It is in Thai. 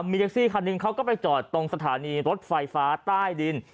มีแท็กซี่คันหนึ่งเขาก็ไปจอดตรงสถานีรถไฟฟ้าใต้ดิน